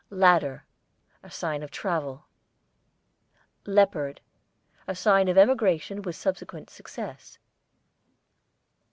LADDER, a sign of travel. LEOPARD, a sign of emigration with subsequent success.